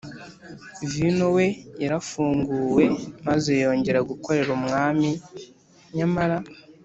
Vino We Yarafunguwe Maze Yongera Gukorera Umwami Nyamara